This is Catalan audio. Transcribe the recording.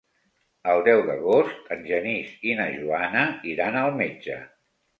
El deu d'agost en Genís i na Joana iran al metge.